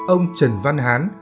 ông trần văn hán